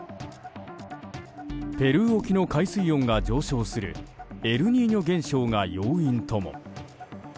ペルー沖の海水温が上昇するエルニーニョ現象が要因とも。